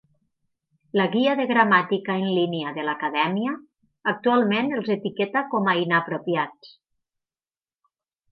La guia de gramàtica en línia de l'Acadèmia actualment els etiqueta com a "inapropiats".